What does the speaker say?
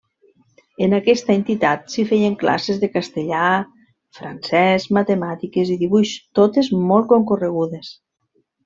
En aquesta entitat s'hi feien classes de castellà, francès, matemàtiques i dibuix, totes molt concorregudes.